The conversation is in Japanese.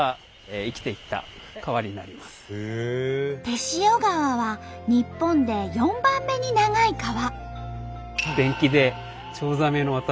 天塩川は日本で４番目に長い川。